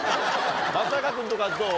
松坂君とかどう？